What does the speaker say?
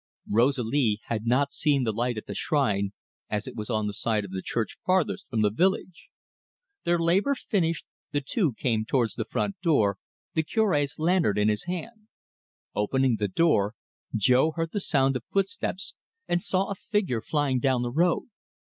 Rosalie had not seen the light at the shrine, as it was on the side of the church farthest from the village. Their labour finished, the two came towards the front door, the Cure's lantern in his hand. Opening the door, Jo heard the sound of footsteps and saw a figure flying down the road.